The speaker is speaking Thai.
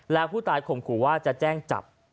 และผู้ตายคงกลัวว่าจะแจ้งจับ